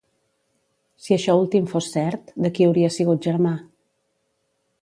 Si això últim fos cert, de qui hauria sigut germà?